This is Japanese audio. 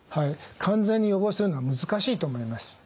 完全に予防するのは難しいと思います。